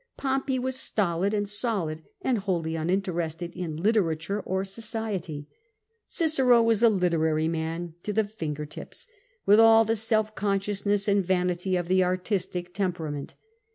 Pompey was stolid and solid and wholly uninterested in literature or society ; Cicero was a literary man to the finger tips, with all the self consciousness and vanity of the " artistic temperament."